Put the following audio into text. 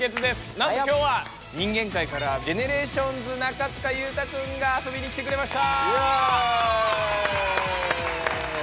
なんと今日は人間界からＧＥＮＥＲＡＴＩＯＮＳ中務裕太くんがあそびにきてくれました！